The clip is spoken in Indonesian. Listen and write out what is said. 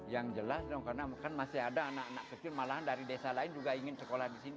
yang jelas dong karena kan masih ada anak anak kecil malahan dari desa lain juga ingin sekolah di sini